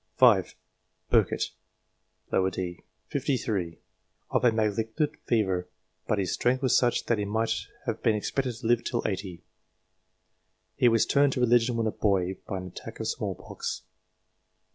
5. Burkitt, d. aet. 53 of a malignant fever, but " his strength was such that he might have been expected to live till 80." He was turned to religion when a boy, by an attack of small pox.